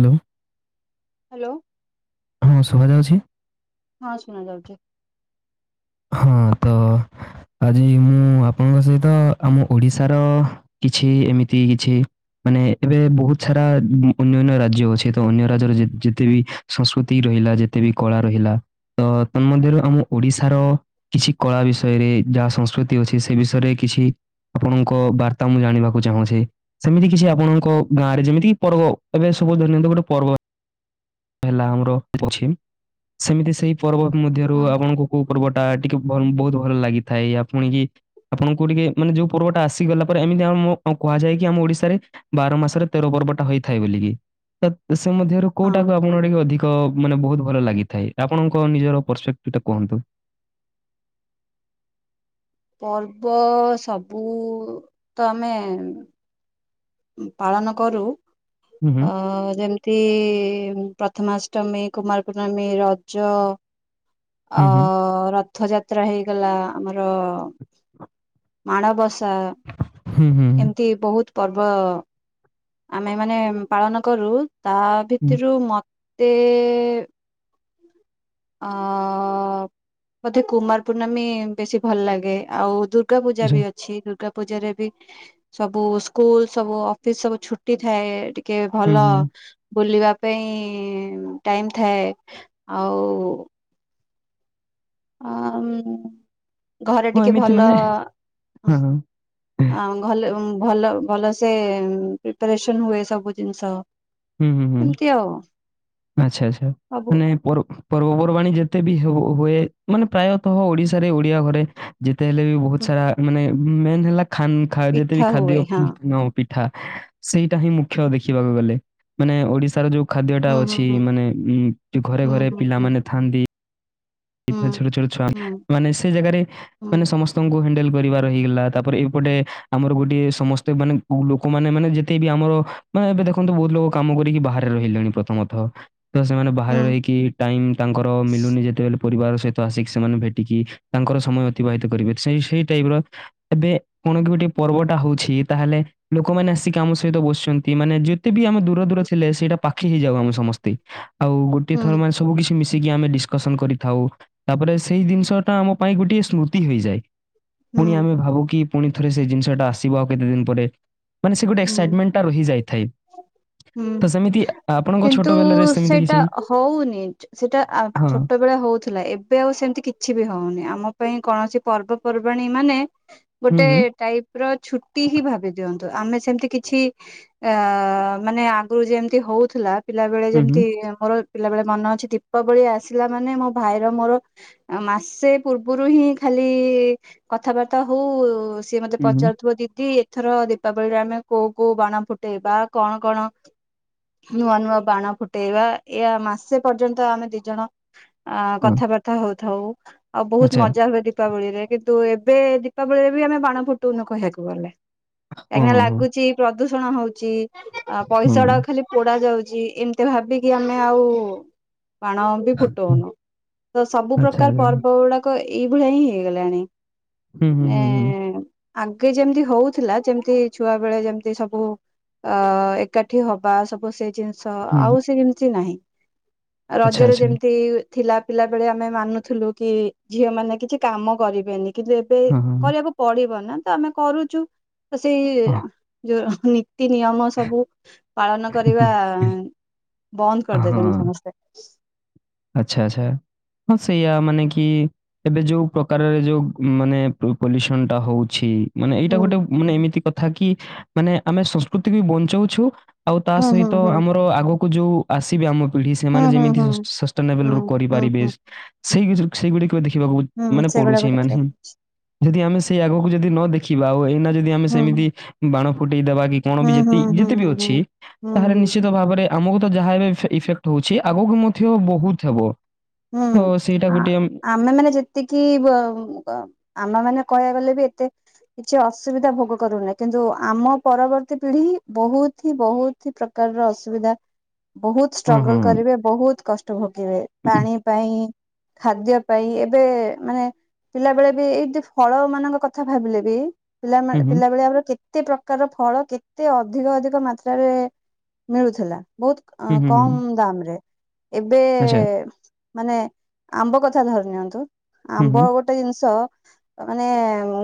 Hello. Hello କଣ ଶୁଭା ଯାଉଛି? ହଁ ଶୁଣା ଯାଉଛି। ହଁ ତ ଆଜି ମୁଁ ଆପଣଙ୍କ ସହିତ ଆମ ଓଡ଼ିଶାର, କିଛି ଏମିତି କିଛି? ମାନେ ଏବେ ବହୁତ ସାରା ଅନା ନ୍ୟ ରାଜ୍ୟ ଅଛି ତ ଅନ୍ୟ ରାଜ୍ୟର ଯେତେ ବିି, ସଂସ୍କୃତି ରହିଲା ଯେତେ ବି କଳା ରହିଲା ତ ତନମଧ୍ୟରୁ ଆମ ଓଡିଶାର, କିଛି କଳା ବିଷୟରେ ଯାହା ସଂସ୍କୃତି ଅଛି ସେ ବିଷୟରେ କିଛି, ଆପଣଙ୍କ ବାର୍ତ୍ତା ମୁଁ ଜାଣିବାକୁ ଚାହୁଁଛି। ସେମିତି କିଛି ଆପଣଙ୍କ ଗାଁରେ ଯେମିତି କି ପର୍ବ ଏବେ ସବୁ ଧରିନିଅନ୍ତୁ ଗୋଟେ ପର୍ବ, ହେଲା ଆମର ଅଛି ସେମିତି ସେଇ ପର୍ବ ମଧ୍ୟରୁ ହୁଁ ଆପଣଙ୍କୁ କୋଉ ପର୍ବ, ଟା ଟିକେ ବହୁତ ଭଲ ଲାଗିଥାଏ। ୟା ପୁଣିକି, ଆପଣଙ୍କୁ ଟିକେ ମାନେ ଯୋଉ ପର୍ବଟା ଆସିଗଲା ପରେ ଏମିତି ଆମ କୁହାଯା କି ଆମ ଓଡିଶାରେ, ବାର ମାସରେ ତେର ପର୍ବ ଟା ହେଇଥାଏ ବୋକି ସେ ମଧ୍ୟରୁ, ହଁ କୋଉଟାକୁ ଆପଣଙ୍କ ଟିକେ ଅଧିକ ମାନେ ବହୁତ ଭଲ ଲାଗିଥାଏ ଆପଣଙ୍କ ନିଜର ପର ଫେକ ଟା କୁହନ୍ତୁ। ପର୍ବ ସବୁ ତ ଆମେ, ପାଳନ କରୁ ହୁଁ, ହୁଁ, ଯେମିତି, ଯେମିତି ପ୍ରଥମାଷ୍ଟମୀ, କୁମାରପୂର୍ଣ୍ଣମୀ, ରଜ, ଅ ହୁଁ, ହୁଁ, ର ରଥ ଯାତ୍ରା ହେଇଗଲା ଆମର ମାଣବସା। ହୁଁ, ହୁଁ, ହୁଁ, ଏମିତି ବହୁତ ପର୍ବ, ଆମେ ମାନେ ପାଳନ କରୁ ତା ହୁଁ, ଭିତରୁ ମତେଏ, ଆ ମୋତେ କୁମାର ପୂର୍ଣ୍ଣମୀ ବେଶୀ ଭଲ ଲାଗେ ଆଉ ଦୁ, ଦୁର୍ଗା ପୂଜା ଆଚ୍ଛା, ଅ ଛି ଦୁର୍ଗା ପୂଜା ରେ ବି ସବୁ ସ୍କୁଲ ସବୁ ଅଫିସ୍ ସବୁ ଛୁଟି ଥାଏ। ଟି କିଏ ହୁଁ, ଭଲ ହୁଁ, ବୁଲିବା ପାଇଁ ଟାଇମ୍ ଥାଏ ଆଉ ଓ ଆମ୍ ଘର ହଁ ଟିକିଏ ଏମିତି ଭଲ ମାନେ ହଁ, ହଁ, -ଆମ୍। ଭଲେ ଭଲ ଭଲସେ ପ୍ରିପାରେସନ ହୁଏ ସବୁ ଜିନିଷ। ହୁଁ। ହୁଁ। ଏମିତି ଆଉ। ଆଚ୍ଛା ଆଚ୍ଛା ସବୁ ମାନେ ପରକୁ ପର୍ବପର୍ବାଣୀ ଯେତେ ବି ହୁ ହୁଏ ମାନେ ପ୍ରାୟତଃ ଓଡିଶାରେ ଓଡିଆ ଘରେ- ଯେତେ ହେଲେ ବି ବହୁତ୍ ହୁଁ ସାରା ମାନେ ମେନ୍ ହେଲା ଖାନ ଯେତେବି ପିଠା ହୁଏ ଖାଦ୍ୟ। ହଁ ପିଠା ସେଇଟା ହିଁ ମୁଖ୍ୟ ଦେଖିବାକୁ ଗଲେ ମାନେ ଓଡିଶାର ଯୋଉ ଖାଦ୍ୟଟା ହୁଁ ଅ ହୁଁ ଅଛି ମାନେ ଉଁ ଘରେ ଘରେ ହୁଁ ପିଲାମାନେ ଥାଆନ୍ତି। ହୁଁ ଟିପା ଛୋଟ ଛୋଟ ଛୁଆ ହୁଁ ମାନେ ସେ ଜାଗାରେ ହୁଁ ମାନେ ସମସ୍ତଙ୍କୁ ହ୍ୟାଣ୍ଡେଲ କରିବାର ହେଇଗଲା। ତାପରେ ଏପଟେ ଆମର ଗୋଟିଏ ସମସ୍ତେ ମାନେ କୋଉ ଲୋକମାନେ ମାନେ ଯେତେ ବି ଆମର ମାନେ ଏବେ ଦେଖନ୍ତୁ ବହୁତ୍ ଲୋକ କାମ କରିକି ବାହାରେ ରହିଲେଣି ପ୍ରଥମତଃ। ତ ସେମାନେ ବାହାରେ ହୁଁ ରହିକି ଟାଇମ ତାଙ୍କର ମିଳୁନି ଯେତେବେଳେ- ପରିବାର ସହିତ ଆସିକି ସେମାନେ ଭେଟିକି ତାଙ୍କର ସମୟ ଅତିବାହିତ କରିବେ। ସେ ସେଇ ଟାଇପ୍ ର ଏବେ ପୁଣି କି ଗୋଟେ ପର୍ବଟା ହୋଉଛିକି? ତାହେଲେ ଲୋକମାନେ ଆସିକି ଆମ ସହିତ ବସିଛନ୍ତି ମାନେ ଯେତେ ବି ଆମେ ଦୂର ଦୂର ଥିଲେ ସେଇଟା ପାଖେ ହେଇଯାଉ ଆମ ସମସ୍ତିଙ୍କି। ଆଉ ଗୋଟେ ହୁଁ ଥର ମାସ କୁ କିଛି ମିଶିକି ଆମେ ଡିସ୍ କସନ କରି ଥାଉ ତାପରେ ସେଇ ଜିନିଷ ଟା ଆମ ପାଇଁ ଗୋଟିଏ ସ୍ମୃତି ହେଇଯାଏ। ହୁଁ ପୁଣି ଆମେ ଭାବୁ କି ପୁଣି ଥରେ ସେ ଜିନିଷଟା ଆସିବ ଆଉ କେତେ ଦିନ ପରେ। ମାନେ ସେ ଗୋଟେ ହୁଁ ହୁଁ ହୁଁ ଏକ୍ସାଇଟମେଣ୍ଟ ଟା ରହିଯାଇଥାଏ। ହୁଁ ହୁଁ ତ ସେମିତି ଆପଣଙ୍କ ଛୋଟ କିନ୍ତୁ ବେଲାରେ ସେମିତି ସେଇଟା କିଛି ହୋଉନି ସେଇଟା ଆ ହଁ। ଛୋଟ ବେଳେ ହୋଉଥିଲା। ଏବେ ଆଉ ସେମିତି କିଛି ବି ହୋଉନି। ଆମ ପାଇଁ କୌଣସି ପର୍ବପର୍ବାଣୀ ମାନେ ହୁଁ, ଗୋଟେ ହୁଁ, ଟାଇପ୍ ର ଛୁଟି ହିଁ ଭାବି ଦିଅନ୍ତୁ। ଆମେ ସେ ସେମିତି କିଛି ଅ ମାନେ ଆଗରୁ ଯେମିତି ହୋଉଥିଲା ପିଲା ବେଳେ ହୁଁ, ହୁଁ, ଯେମିତି ମୋର ପିଲାବେଳେ ମନେ ଅଛି। ଦୀପାବଳି ଆସିଲା ମାନେ ମୋ ଭାଇର ମୋର ମାସେ ପୂର୍ବରୁ ହିଁ ଖାଲି କଥାବାର୍ତ୍ତା ହୋଉ ସିଏ ମତେ ହୁଁ, ହୁଁ, ପଚାରୁଥିବ ଦିଦି ଏଥର ଦୀପାବଳିରେ ଆମେ କୋଉ କୋଉ ବାଣ ଫୁଟେଇବା। କଣ କଣ ନୂଆ ନୂଆ ବାଣ ଫୁଟେଇବା ଏ ମାସେ ପର୍ଯ୍ୟନ୍ତ ଆମେ ଦି ଜଣ ଆ ହଁ। କଥାବାର୍ତ୍ତା ହୋଉଥାଉ ଆଉ ବହୁତ୍ ଆଚ୍ଛା। ମଜା ହୁଏ ଦି ଦୀପାବଳିରେ। କିନ୍ତୁ ଏବେ ଦୀପାବଳିରେ ବି ଆମେ ବାଣ ଫୁଟୋଉନୁ କହିବାକୁ ଗଲେ ହଁ, କାହିଁକିନା ହଁ, ହଁ, ଲାଗୁ ତି ପ୍ରଦୂଷଣ ହୋଉଚି ହଁ, ପଇସା ଗୁଡାକ ଖାଲି ପୋଡା ଯାଉଚି। ଏମ୍ତି ଭାବିକି ଆମେ ଆଉ ବାଣ ବି ହଁ। ଫୁଟୋଉନୁ ତ ସବୁ ଆଚ୍ଛା, ପ୍ରକାର ଆଚ୍ଛା। ପର୍ବ ଗୁଡାକ ଏଇଭଳିଆ ହିଁ ହେଇଗଲାଣି। ହୁଁ, ହୁଁ, ହୁଁ, ହୁଁ, ମାନେ ଆଗେ ଯେମିତି ହୋଉଥିଲା ଯେମିତି ଛୁଆ ବେଳେ ଯେମିତି ସବୁ ଅ ଏକାଠି ହବା ସବୁ ସେ ଜିନି ସ ହୁଁ। ଆଉ ସେମିତି ନାହିଁ ଆଚ୍ଛା, ରଜରେ ଆଚ୍ଛା। ଯେମିତି ଥିଲା। ପିଲାବେେଳେ ଆମେ ମାନୁଥିଲୁ କି ଝିଅ ମାନେ କିଛି କାମ କରିବେନି। କିନ୍ତୁ ଏବେ ହଁ, ହଁ, କରିବାକୁ ପଡିବ ନା ତ ଆମେ କରୁଚୁ। ତ ସେଇ ଯୋଉ ନୀତି ନିୟମ ସବୁ ପାଳନ ହଁ। କରିବା ବନ୍ଦ ହଁ, କରିଦେଲେଣି ହଁ, ସମସ୍ତେ। ଆଚ୍ଛା ଆଚ୍ଛା ହଁ ସେଇଆା ମାନେ କି ଏବେ ଯୋଉ ପ୍ରକାରରେ ଯୋଉ ମାନେ ପଲ୍ୟୁସନ ଟା ହୋଉଛି ମାନେ ଏଇଟା ହୁଁ ଗୋଟେ ମାନେ ଏମିତି କଥା କି ମାନେ ଆମେ ସଂସ୍କୃତିକୁ ବି ବଞ୍ଚାଉଛୁ। ଆଉ ତା ହୁଁ ହୁଁ ସହିତ ହୁଁ ଆମର ଆଗକୁ ଯୋଉ ଆସିବେ ଆମ ପିଢି ସେମାନେ ହୁଁ ଯେମିତି ହୁଁ ହୁଁ ସଷ୍ଟେନେବଲ ରୁ ହୁଁ ହୁଁ କରିପାରିବେ ହୁଁ। ସେଇ ସେଇଗୁଡିକ ଦେଖିବାକୁ ହୁଁ ମାନେ ସେଗୁଡାକୁ ପଡୁଛି ମାନେ ଦେଖିବାକୁ ହିଁ। ପଡୁଛି ଯଦି ଆମେ ସେଇ ଆଗକୁ ଯଦି ନ ଦେଖିବା ଆଉ ଏଇନା ଯଦି ଆମେ ହୁଁ ସେମିତି ବାଣ ଫୁଟେଇଦବା କି କଣ ହୁଁ ବି ଯେ ହୁଁ ହୁଁ ଯେତେ ବି ହୁଁ ଅଛି ହୁଁ ତାହେଲେ ହୁଁ। ନିଶ୍ଚିତ ଭାବରେ ଆମକୁ ତ ଯାହା ଏବେ ଇଫେ ଇଫେକ୍ଟ ହଉଛି ଆଗକୁ ମଧ୍ୟ ବହୁତ୍ ହେବ। ହୁଁ ହଁ ସେଇଟା ଆ ଗୋଟିଏ ଆମେ ମାନେ ଯେତିକି ବ ଆମ ମାନେ କହିବାକୁ ଗଲେ ବି ଏତେ କିଛି ଅସୁବିଧା ଭୋଗ କରୁନହିି କିନ୍ତୁ ଆମ ପରବର୍ତ୍ତୀ ପିଢି ହିଁ ବହୁତ ହି ବହୁତ କିଛି ପ୍ରକାରର ଅସୁବିଧା ବହୁତ ଷ୍ଟ୍ରଗଲ କରିବେ ବହୁତ କଷ୍ଟ ଭୋଗିବେ ପାଣି ପାଇଁ ଖାଦ୍ୟ ପାଇଁ ଏବେ ମାନେ ପିଲାବେଳେ ବି ଏଇମତି ଫଳ ମାନଙ୍କ କଥା ଭାବିଲେ ବି ପିଲାମାନେ ପିଲାବେଳେ ଆମର କେ କେତେ ପ୍ରକାରର ଫଳ କେତେ ଅଧିକ ଅଧିକ ମାତ୍ରାରେ ମିଳୁଥିଲା ବହୁତ ଅ କମ ଦାମ ରେ ଏବେ ମାନେ ଆମ୍ବ କଥା ଧରି ନିଅନ୍ତୁ ଆମ୍ବ ଗୋଟେ ଜିନିଷ ତା ମାନେ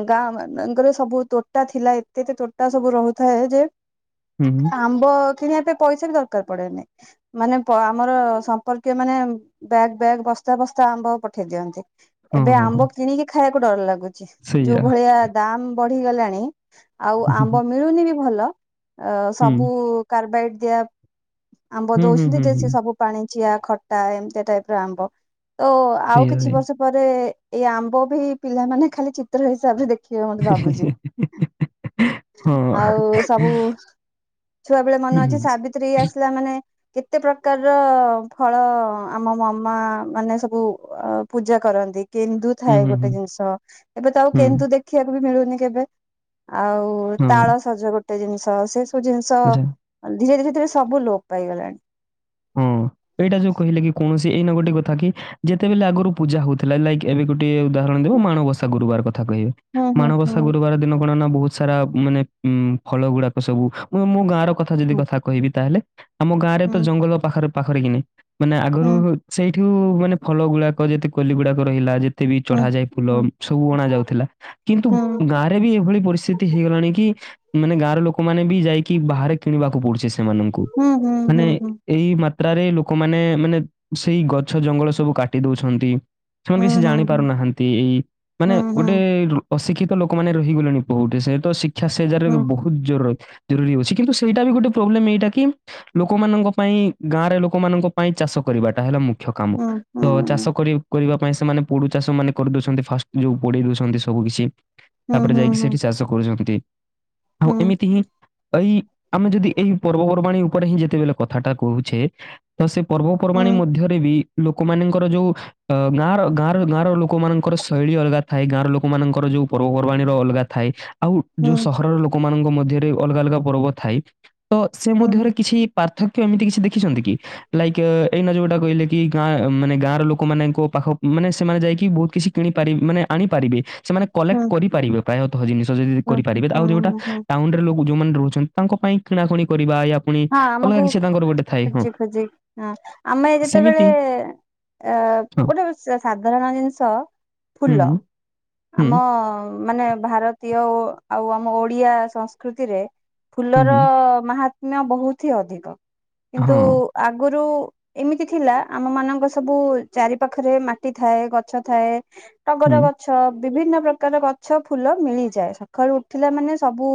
ଗାଁ ମାନଙ୍କରେ ସବୁ ତୋଟା ଥିଲା ଏତେ ଏତେ ତୋଟା ସବୁ ରହୁଥାଏ ଯେ ଆମ୍ବ କିଣିବା ପାଇଁ ପଇସା ବି ଦରକାର ପଡେନି ମାନେ ପ ଆମର ସମ୍ପର୍କୀୟ ମାନେ ବ୍ୟାଗ ବ୍ୟାଗ ବସ୍ତା ବସ୍ତା ଆମ୍ବ ପଠେଇ ଦିଅନ୍ତି ଏବେ ଆମ୍ବ କିଣିକି ଖାଇବାକୁ ଡର ଲାଗୁ ଚି ଯୋଉ ଭଳିଆ ଦାମ ବଢିଗଲାଣି ଆଉ ଆମ୍ବ ମିଳୁନି ବି ଭଲ ଅ ସବୁ କାରବାଇଡ ଦିଆ ଆମ୍ବ ଦଉଛନ୍ତି ଯେ ସେ ସବୁ ପାଣି ଚିଆ ଖଟା ଏମିତି ଟାଇପର ଆମ୍ବ ତ ଆଉ କିଛି ବର୍ଷ ତାପରେ ଏଇ ଆମ୍ବ ବି ପିଲାମାନେ ଖାଲି ଚିତ୍ର ହିସାବରେ ଦେଖ ଦେଖିବେ ବୋଲି ଭାବୁଛି ଆଉ ସବୁ ଛୁଆ ବେଳେ ମନେ ଅଛି ସାବିତ୍ରୀ ଆସିଲା ମାନେ କେତେ ପ୍ରକାରର ଫଳ ଆମ ମାମା ମାନେ ସବୁ ଅ ପୂଜା କରନ୍ତି କେନ୍ଦୁ ଥାଏ ଗୋଟେ ଜିନିଷ ଏବେ ତ ଆଉ କେନ୍ତୁ ଦେଖିବାକୁ ବି ମିଳୁନି କେବେ ଆଉ ତାଳ ସଜ ଗୋଟେ ଜିନିଷ ସେ ସବୁ ଜିନିଷ ଧୀରେ ଧୀରେ ଧୀରେ ସବୁ ଲୋପପାଇଗଲାଣି ହଁ ଏଇଟା ଯୋଉ କହିଲେ କି କୌଣସି ଏଇନା ଗୋଟେ କଥା କି ଯେତେବେଳେ ଆଗରୁ ପୂଜା ହଉ ଥିଲା ଲାଇକ ଏବେ ଗୋଟେ ଉଦାହରଣ ଦେବ ହୁଁ ମାଣବସା ଗୁରୁବାର କଥା କହିବେ ହୁଁ ହୁଁ ମାଣବସା ଗୁରୁ ଦିନ କଣ ନା ବହୁତ ସାରା ମାନେ ଫଳ ଗୁଡାକ ସବୁ ମୁଁ ମୋ ଗାଁର କଥା ଯଦି ହୁଁ କଥା କହିବି ତାହେଲେ ଆମ ଗାଁରେ ହୁଁ। ତ ଜଙ୍ଗଲ ପାଖରେ ପାଖରେ କି ନାହି ମାନେ ଆଗରୁ ହୁଁ ସେ ଏଠୁ ମାନେ ଫଲ ଗୁଡାକ ଯେତେ କଲି ଗୁଡାକ ରହିଲା ଯେ କେତେ ବି ହୁଁ ଚଢା ଯାଏ ଫୁଲ ହୁଁ ସବୁ ଅଣାଯାଉଥିଲା କିନ୍ତୁ ହୁଁ। ଗାଁରେ ବି ଏଭଳି ପରିସ୍ଥିତି ହେଇଗଲାଣି କି ମାନେ ଗାଁର ଲୋକ ଲୋକମାନେ ବି ଯାଇକି ବାହାରେ କିଣିବାକୁ ପଡୁଛି ସେମାନଙ୍କୁ ହୁଁ ହୁଁ ମାନେ ହୁଁ ଏଇ ମାତ୍ରାରେ ଲୋକମାନେ ମାନେ ସେଇ ଗଛ ଜଙ୍ଗଲ ସବୁ କାଟି ଦଉଛନ୍ତି। ସେମାନେ ହୁଁ କିଛି ହୁଁ ହୁଁ ଜାଣି ହୁଁ ପାରୁନାହାନ୍ତି ଏଇ ମାନେ ହୁଁ ଗୋଟେ ହୁଁ ଅଶିକ୍ଷିତ ଲୋକମାନେ ରହିଗଲେଣି ବହୁଠି ସେ ତ ଶିକ୍ଷା ସେ ଜାଗାରେ ହୁଁ ହୁଁ ହୁଁ। ଖୁବ ଜରୁରୀ ଅଛି କିନ୍ତୁ ସେଇଟା ବି ଗୋଟେ ପ୍ରୋବ୍ଲେମ ଏଇଟା କି ଲୋକମାନଙ୍କ ପାଇଁ ଗାଁରେ ଲୋକମାନଙ୍କ ପାଇଁ ଚାଷ କରିବାଟା ହେଲା ମୁଖ୍ୟ କାମ ହୁଁ ହୁଁ ହୁଁ ତ ଚାଷ ହୁଁ କରି କରିବା ପାଇଁ ସେମାନେ ପୋଡୁ ଚାଷ ମାନେ କରିଦଉଛନ୍ତି ଫାଷ୍ଟ ଯୋଉ ପୋଡି ଦଉଛନ୍ତି ସବୁ କିଛି ହୁଁ ତାପରେ ହୁଁ ହୁଁ ଯାଇକି ହୁଁ ସେଠି ଚାଷ କରୁଛନ୍ତି ଆଉ ଏମିତି ହିଁ ଏଇ ଆମେ ଯଦି ଏଇ ପର୍ବପର୍ବାଣୀ ଉପରେ ହିଁ ଯେତେବେଳେ କଥାଟା କହୁଛେ, ତ ସେ ପର୍ବପର୍ବାଣୀ ମଧ୍ୟରେ ବି ଲୋକମାନଙ୍କର ଯୋଉ ଅ ଗାଁର ଗାଁର ଗାଁର ଲୋକମାନଙ୍କର ଶୈଳୀ ଅଲଗା ଥାଏ, ଗାଁର ଲୋକମାନଙ୍କର ଯୋଉ ପର୍ବପର୍ବାଣୀର ଅଲଗା ଥାଏ ଆଉ ହୁଁ ହୁଁ ଯଉ ସହରର ଲୋକମାନଙ୍କ ମଧ୍ୟରେ ଅଲଗା ଅଲଗା ପର୍ବ ଥାଏ, ତ ସେ ହୁଁ। ମଧ୍ୟରେ କିଛି ପାର୍ଥକ୍ୟ ଏମିତି କିଛି ଦେଖିଛନ୍ତି କି? ଲାଇକ୍ ଏଇ ନ ଯଉଟା କହିଲେ କି, ଗାଁ ମାନେ ଗାଁ ର ଲୋକ ମାନଙ୍କୁ ପାଖ ମାନେ ସେମାନେ ଯାଇକି ବହୁତ କିଛି କିଣିପାରି ମାନେ ଆଣିପାରିବେ। ସେମାନେ କଲେକ୍ଟ ହଁ କରିପାରିବେ ପ୍ରାୟତଃ ଜିନିଷ ଯଦି କରିପାରିବେ, ଆଉ ଯୋଉଟା ଟାଉନରେ ଲ ଯୋଉମାନେ ରହୁଛନ୍ତି, ତାଙ୍କ ପାଇଁ କିଣାକୁଣି କରିବା ୟା ପୁଣି ଅଲଗା ଆମକୁ କିଛି ତାଙ୍କର ଗୋଟେ ଥାଏ ହଁ ଖୋଜି ଖୋଜି, ହଁ ଆମେ ଯେତେବେଳେ ସେମିତି ଅ ହଁ ଗୋଟେ ସାଧାରଣ ଜିନିଷ, ହୁଁ ଫୁଲ ହୁଁ ହୁଁ ଆମ ମାନେ ଭାରତ [unintelligible] ଆଉ ଆମ ଓଡିଆ ସଂସ୍କୃତିରେ ହୁଁ ଫୁଲର ହୁଁ ମାହା କିଣା ବହୁତ ହି ଅଧିକ, କିନ୍ତୁ ହଁ ଆଗରୁ ଏମିତି ଥିଲା, ଆମ ମାନଙ୍କ ସବୁ ଚାରି ପାାଖରେ ମାଟି ଥାଏ, ଗଛ ଥାଏ ହୁଁ ଟଗର ଗଛ, ବିଭିନ୍ନ ପ୍ରକାର ଗଛ ଫୁଲ ମିଳିଯାଏ, ସକାଳୁ ଉଠିଲା ମାନେ ସବୁ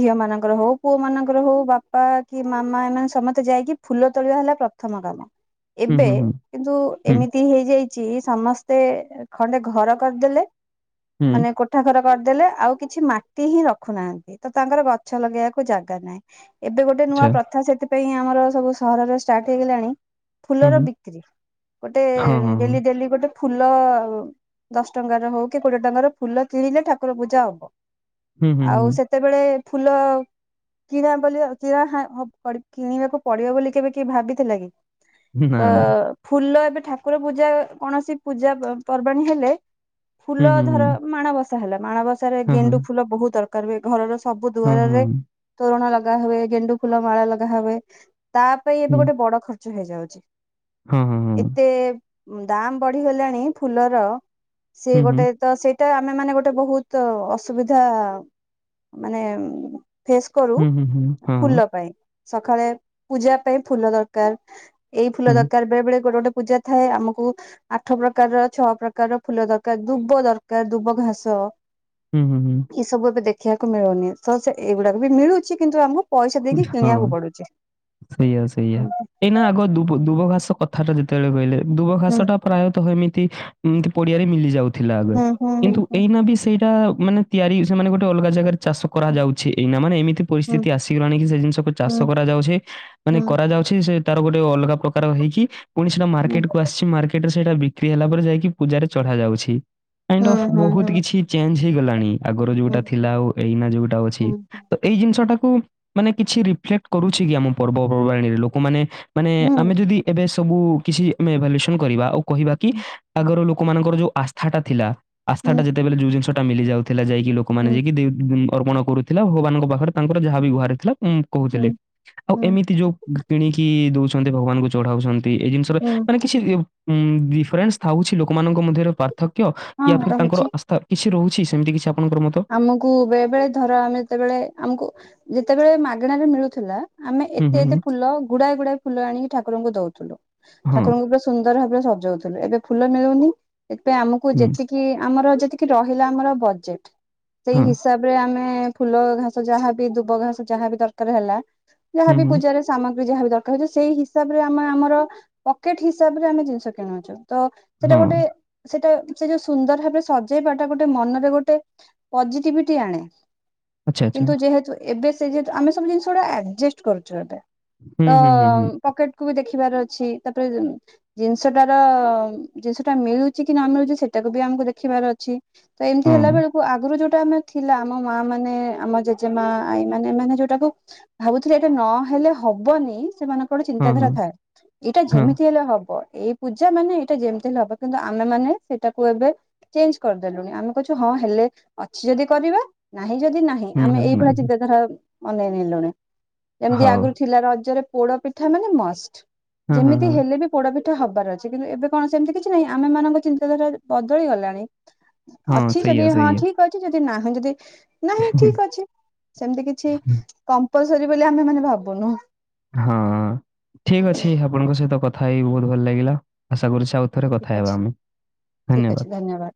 ଝିଅ ମାନଙ୍କର ହଉ ପୁଅ ମାନଙ୍କର ହଉ ବା- ପା କି, ମାମା, ଏମାନେ ସମସ୍ତେ ଯାଇକି ଫୁଲ ତୋଳିବା ହେଲା ପ୍ରଥମ କାମ। ହୁଁ ଏବେ ହୁଁ ହୁଁ କିନ୍ତୁ ହୁଁ ଏମିତି ହେଇଯାଇଛି, ସମସ୍ତେ ଖଣ୍ଡେ ଘର କରିଦେଲେ। ହୁଁ ମାନେ ଗୋଟ କୋଠାଘର କରିଦେଲେ, ଆଉ କିଛି ମାଟି ହିଁ ରଖୁନାହାନ୍ତି, ତ ତାଙ୍କର ଗଛ ଲଗେଇବାକୁ ଜାଗା ନାହିଁ। ଏବେ ଗୋଟେ ନୂଆ ଆଚ୍ଛା ପ୍ରଥା ସେଥିପାଇଁ ଆମର ସବୁ ସହରରେ ଷ୍ଟାର୍ଟ ହେଇଗଲାଣି। ହୁଁ ଫୁଲର ହୁଁ ବିକ୍ରି ଗୋଟେ ହଁ ହଁ ହଁ ଡେଲି ଡେଲି ଗୋଟେ ଫୁଲ ଦଶ ଟଙ୍କାରେ ହଉ କି କୋଡିଏ ଟଙ୍କାର ଫୁଲ କିଣିଲେ ଠାକୁର ପୂଜା ହବ। ହୁଁ ହୁଁ ଆଉ ହୁଁ ସେତେବେଳେ ଫୁଲ କିଣା ବୋଲି ଆ କିଣା ହ ହବ୍, ପଡ୍ କିଣିବାକୁ ପଡିବ ବୋଲି କେବେ କି ଭାବିଥିଲା କି, ନା ତ ନା ଫୁଲ ଏବେ ଠାକୁର ପୂଜା ଅ କୌଣସି ପୂଜା ପର୍ବାଣୀ ହେଲେ। ହୁଁ ଫୁଲ ହୁଁ ହୁଁ ଧର ମାଣବସା ହେଲା, ମାଣବସାରେ ହଁ ଗେଣ୍ଡୁ ହଁ ଫୁଲ ବହୁତ ଦରକାର ହୁଏ। ଘରର ସବୁ ହଁ ହଁ ଦୁଆରରେ ତୋରଣ ଲଗା ହେବେ। ଗେଣ୍ଡୁ ଫୁଲ ମାଳା ଲଗା ହେବେ ତା ପାଇଁ ଏବେ ହୁଁ ଗୋଟେ ବଡ ଖର୍ଚ୍ଚ ହେଇଯାଉଛି। ହଁ ହଁ ଏତେ ଦାମ ବଢିଗଲାଣି ଫୁଲର, ସେ ହଁ ହୁଁ ଗୋଟେ ହୁଁ ତ ସେଇ ତ ଆମେ ମାନେ ଗୋଟେ ବହୁତ ଅସୁବିଧା ମାନେ ଫେସ୍ କରୁ ହୁଁ ହୁଁ ହୁଁ। ହଁ ଫୁଲ ପାଇଁ, ସକାଳେ ପୂଜା ପାଇଁ ଫୁଲ ଦରକାର, ଏଇ ହୁଁ ଫୁଲ ଦରକାର। ବେଳେ ବଳେ ଗୋଟେ ଗୋଟେ ପୂଜାଥାଏ ଆମକୁ ଆଠ ପ୍ରକାରର, ଛଅ ପ୍ରକାରର ଫୁଲ ଦରକାର, ଦୁବ ଦରକାର, ଦୁବ ଘାସ। ହୁଁ ହୁଁ ହୁଁ। ଏଇ ସବୁ ଏବେ ଦେଖିବାକୁ ମିଳୁନି, ତ ସେ ଏଇଗୁଡାକ ବି ମିଳୁଛି କିନ୍ତୁ ଆମକୁ ପଇସା ଦେଇକି ହଁ କିଣିବାକୁ ପଡୁଛି। ଏଇ ନା ଆଗ ଦୁ ଦୁବଘାସ କଥା ଟା ଯେତେବେଳେ କହିଲେ, ଦୁବଘାସ ହୁଁ ଟା ପ୍ରାୟତଃ ଏମିତି ତି ପଡିଆରେ ମିଲି ଯାଉଥିଲା ଆଗେ, ହୁଁ ହୁଁ କିନ୍ତୁ ହୁଁ ଏଇନା ବି ସେଇଟା ମାନେ ତିଆରି ସେ ମାନେ ଗୋଟେ ଅଲଗା ଜାଗାରେ ଚାଷ କରାଯାଉଛି। ଏଇନା ମାନେ ଏମିତି ହୁଁ ପରିସ୍ଥିତି ଆସ କି ସେ ଜିନିଷକୁ ଚାଷ ହୁଁ କରା ଯାଉଛି। ମାନେ ହୁଁ କରାଯାଉଛି ସେ ତାର ଗୋଟେ ଅଲଗା ପ୍ରକାର ହେଇକି ପୁଣି ସେଇଟା ହୁଁ ମାର୍କେଟକୁ ଆସିଛି, ମାର୍କେଟ ରେ ସେଇଟା ବିକ୍ରି ହେଲା ପରେ ଯାଇକି ପୂଜାରେ ଚଢାଯାଉଛି। ଏଣ୍ଡ ଅଫ ହୁଁ ବହୁତ ହୁଁ କିଛି ଚେଞ୍ଜ ହେଇଗଲାଣି, ଆଗରୁ ଯୋଉଟା ହୁଁ ହୁଁ ଥିଲା ଏଇନା ଯୋଉଟା ଅଛି। ହୁଁ ତ ଏଇ ଜିନିଷ ଟାକୁ ମାନେ କିଛି ରିଫ୍ଲେକ୍ଟ କରୁଛି କି ଆମ ପର୍ବପର୍ବାଣୀରେ ଲୋକମାନେ ମାନେ ହୁଁ ଆମେ ଯଦି ଏବେ ସବୁ କିଛି ଆମେ ଭାଲୁସନ କରିବା ଆଉ କହିବା କି ଆଗର ଲୋକମାନଙ୍କର ଯୋଉ ଆସ୍ଥା ଟା ଥିଲା। ଆସ୍ଥାଟା ହୁଁ ଯେତେବେଳେ ଯୋଉ ଜିନିଷ ଟା ମିଲି ଯାଉଥିଲା ଯାଇକି ଲୋକମାନେ ଯାଇକି ଦେ ଦ ଅର୍ପଣ କରୁଥିଲା ଭଗବାନଙ୍କ ପାଖରେ ତାଙ୍କର ଯାହାବି ଗୁହାର ଥିଲା ଉଁ ହୁଁ କୋହୁଥିଲେ ଆଉ ହୁଁ ଏମିତି ଯୋଉ କିଣିକି ଦୋଉଛନ୍ତି ଭଗବାନଙ୍କୁ ଚଢାଉଛନ୍ତି ଏଇ ଜିନିଷ ରେ ହୁଁ ମାନେ କିଛି ଡିଫ୍ରେନ୍ସ ଥାଉଛି ଲୋକମାନଙ୍କ ମଧ୍ୟରେ ପ୍ରା ଥକ୍ୟ ହଁ ୟାଫିର୍ ତାଙ୍କର ରହୁଛି ଆସ୍ଥା କିଛି ରହୁଛି ସେମିତି କିଛି ଆପଣଙ୍କର ମତ? ଆମକୁ ବେଳେବେଳେ ଧର ଆମେ ଯେତେବେଳେ ଆମକୁ ଯେତେବେଳେ ମାଗଣା ରେ ମିଳୁଥିଲା ଆମେ ହୁଁ ଏତେ ହୁଁ ଏତେ ହୁଁ ଫୁଲ ଗୁଡାଏ ଗୁଡାଏ ଫୁଲ ଆଣିକି ଠାକୁରଙ୍କୁ ଦୋଉଥୁଲୁ। ହଁ ଠାକୁରଙ୍କୁ ଏବେ ସ ସୁନ୍ଦର ଭାବରେ ସଜାଉଥିଲୁ ଏବେ ଫୁଲ ମିଳୁନି ସେଥିପାଇଁ ଆମକୁ ହୁଁ ଯେତିକି କି ଆମର ଯେତିକି ରହିଲା ଆମର ବଜେଟ। ସେଇ ହଁ ହିସାବ ରେ ଆମେ ଫୁଲ ଘାସ ଯାହାବି ଦୁବ ଘାସ ଯାହାବି ଦରକାର ହେଲା ହୁଁ ଯାହାବି ହୁଁ ପୂଜାରେ ସେ ସାମଗ୍ରୀ ଯାହା ବି ଦରକାର ହୋଉଚି ସେଇ ହିସାବରେ ଆମେ ଆମର ପକେଟ ହିସାବରେ ଆମେ ଜିନିଷ କିଣୁଚୁ। ତ ସେଟା ହଁ ଗୋଟେ ସେଟା ସେ ଯୋଉ ସୁନ୍ଦର ଭାବରେ ସଜେଇବାଟା ଗୋଟେ ମନରେ ଗୋଟେ ପଜିଟିଭିଟି ଆଣେ କିନ୍ତୁ ଯେହେତୁ ଏବେ ସେ ଯେତୁ ଆମେ ସବୁ ଜିନିଷ ଗୁଡା ଆଯେଷ୍ଟ କରୁଛୁ ଏବେ, ତ ପକେଟ କୁ ବି ଦେଖିବାର ଅଛି ତାପରେ ଯୋଉ ଜିନିଷଟାର ଜିନିଷଟା ମିଳୁଛି କି ନ ମିଳୁଛି ସେଇଟାକୁ ବି ଆମକୁ ଦେଖିବାର ଅଛି। ତ ଏମିତି ହେଲା ବେଳକୁ ଆ ସଗୁରୁ ଯୋଉଟା ଆମେର ଥିଲା ଆମ ମା ମାନେ ଆମ ଜେଜେମା ଆଈ ମାନେ ଏ ମାନେ ଯୋଉଟାକୁ ଭାବୁଥିଲି ଏଇଟା ନହେଲେ ହବନେଇ ସେମାନ ଗୋଟେ ଚିନ୍ତାଧାରା ଥାଏ ଏଇଟା ଯେମିତି ହେଲେ ହବ ଏଇ ପୂଜା ମାନେ ଏଇଟା ଯେମିତି ହବ କିନ୍ତୁ ଆମେ ମାନେ ସେଟାକୁ ଏବେ ଚେଞ୍ଜ କରିଦେଲୁଣି ଆମେ କୋକଉଚୁ ହଁ ହେଲେ ଅଛି ଯଦି କରିବା ନାହିଁ ଯଦି ନାହିଁ ଆମେ ଏଇଭଳିଆ ଚିନ୍ତାଧାରା ଅନେଇ ନେଲୁଣି। ଯେମିତି ହଁ, ଆଗରୁ ଥିଲା ରଜରେ ପୋଡ ପିଠା ମାନେ ମଷ୍ଟ ହଁ, ଯେମିତି ହଁ, ହେଲେ ବି ପୋଡ ପିଠା ହବାର ଅଛି କିନ୍ତୁ ଏବେ କଣ ସେମିତି କିଛି ନାହିଁ ଆମେ ମାନଙ୍କ ଚିନ୍ତାଧାରା ବଦଳି ଗଲାଣି। ହଁ, ଅଛି ଯଦି ସେଇଆ, ହଁ ସେଇଆ. ଠିକ୍ ଅଛି ଯଦି ନାହିଁ ଯଦି ନାହିଁ ଠିକ୍ ଅଛି ସେମିତି କିଛି କମ୍ପଲସରୀ ବୋଲି ଆମେ ମାନେ ଭାବୁନୁ। ହଁ ଠିକ୍ ଅଛି ଆପଣଙ୍କ ସହିତ କଥା ବୋହୁତ ଭଲ ଲାଗିଲା ଆଶା କରୁଛି ଆଉ। ଥରେ ଠିକ କଥା ହେବା ଅଛି ଆମେ ଠିକ ଅଛି ଧନ୍ୟବାଦ। ଧନ୍ୟବାଦ।